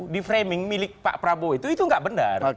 di framing milik pak prabowo itu itu nggak benar